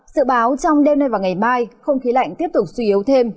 sự báo trong đêm nay và ngày mai không khí lạnh tiếp tục suy yếu thêm